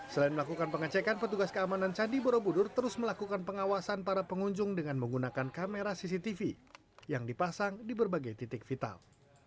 selain melakukan pengecekan petugas keamanan candi borobudur terus melakukan pengawasan para pengunjung dengan menggunakan kamera cctv yang dipasang di berbagai titik vital